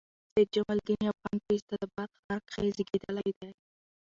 سید جمال الدین افغان په اسعداباد ښار کښي زېږېدلي دئ.